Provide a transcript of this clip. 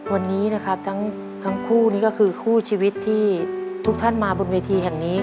วันนี้นะครับทั้งคู่นี่ก็คือคู่ชีวิตที่ทุกท่านมาบนเวทีแห่งนี้